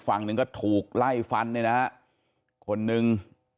ฝั่งหนึ่งก็ถูกไล่ฟันเนี่ยนะฮะคนนึง